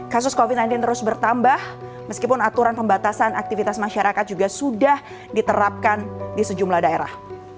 kasus covid sembilan belas terus bertambah meskipun aturan pembatasan aktivitas masyarakat juga sudah diterapkan di sejumlah daerah